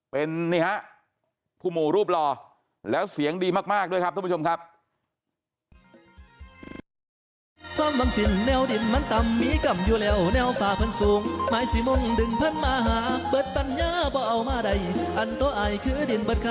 เป็นนี่ฮะผู้หมู่รูปหล่อแล้วเสียงดีมากด้วยครับท่านผู้ชมครับ